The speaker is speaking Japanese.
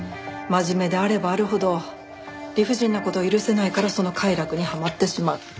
真面目であればあるほど理不尽な事を許せないからその快楽にはまってしまう。